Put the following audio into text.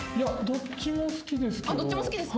どっちも好きですか？